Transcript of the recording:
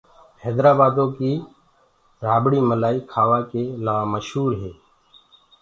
هيدرآبآدو ڪي رڀڙ ملآئي کآوآ ڪي لآ مشور هي۔